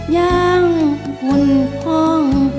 ยังหุ่นพร้อม